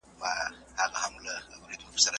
انقلابونو پر ډیرو ټولنو اغیز وکړ.